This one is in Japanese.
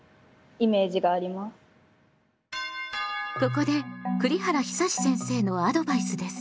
ここで栗原久先生のアドバイスです。